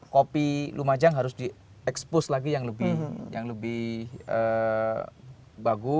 kopi lumajang harus di expose lagi yang lebih besar